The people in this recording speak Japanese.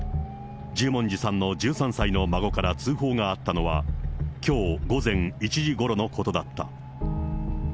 十文字さんの１３歳の孫から通報があったのは、きょう午前１時ごろのことだった。